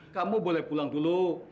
kamu boleh pulang dulu